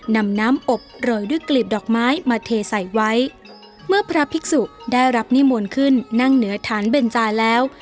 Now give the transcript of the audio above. นำน้ำอบโรยด้วยกลีบดอกไม้มาเทใส่ไว้เมื่อพระภิกษุได้รับนิมนต์ขึ้นนั่งเหนือฐานเบนจาแล้ว